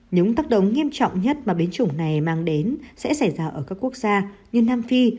những tác động nghiêm trọng nhất mà biến chủng này mang đến sẽ xảy ra ở các quốc gia như nam phi